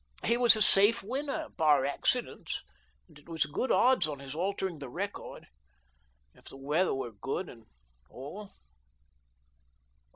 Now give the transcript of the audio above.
He was a safe winner, bar acci dents, and it was good odds on his altering the record, if the weather were any good at all.